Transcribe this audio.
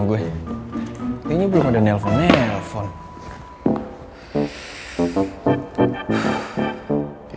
lu kurpo kulit kayaknya belum nyadar deh kalo hpnya ketuker sama gua